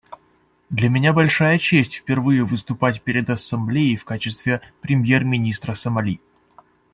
Для меня большая честь впервые выступать перед Ассамблеей в качестве премьер-министра Сомали.